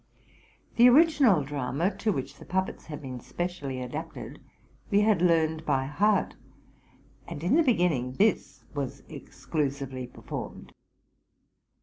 The original drama, to which the puppets had been specially adapted, we had learned by heart; and in the beginning this was exclusively performed.